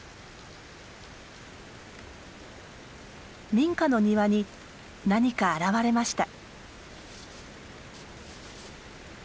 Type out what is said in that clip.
民家の庭に何か現れました。